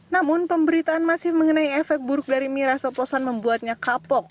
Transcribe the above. namun pemberitaan masih mengenai efek buruk dari miras oplosan membuatnya kapok